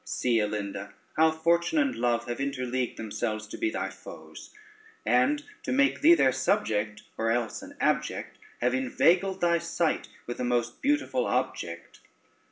See, Alinda, how Fortune and Love have interleagued themselves to be thy foes, and to make thee their subject, or else an abject, have inveigled thy sight with a most beautiful object.